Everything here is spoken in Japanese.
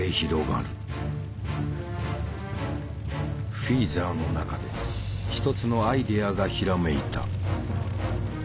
フィーザーの中で一つのアイデアがひらめいた。